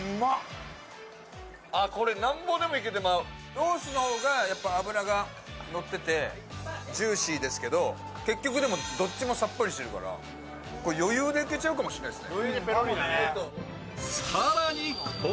ロースの方が脂がのっててジューシーですけど、結局でも、どっちもさっぱりしてるからこれ、余裕でいけちゃうかもしれないですね。